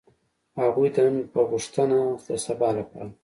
هغوی د نن په غوښتنه د سبا لپاره.